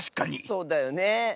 そうだよね。